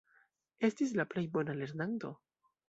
Estis la plej bona lernanto.